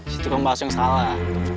si tukang basu yang salah